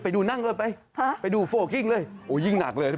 ไปดูนั่งกันไปไปดูโฟลกิ้งเลยโอ้ยิ่งหนักเลย